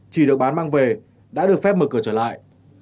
chỉ được bán mang về đã được phép mở cửa trở lại